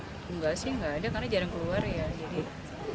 nggak sih nggak ada karena jarang keluar ya